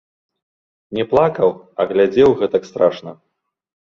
Не плакаў, а глядзеў гэтак страшна.